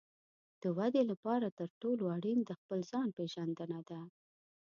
د ودې لپاره تر ټولو اړین د خپل ځان پېژندنه ده.